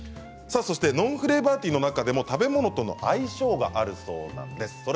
そしてノンフレーバーティーの中でも食べ物との相性があるそうなんです。